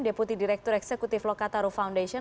deputi direktur eksekutif lokataru foundation